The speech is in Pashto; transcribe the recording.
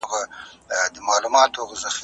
موږ د صفر څخه شروع کوو.